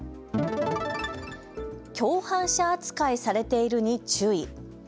共犯者扱いされているに注意。